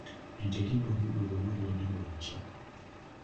Ente eridde omuddo gwonna ogubadde mu luggya.